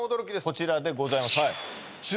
こちらでございます